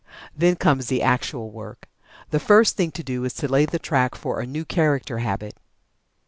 Then comes the actual work. The first thing to do is to lay the track for a new Character Habit.